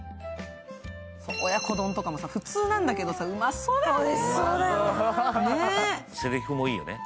親子丼とかも普通なんだけどさ、うまそうだよね。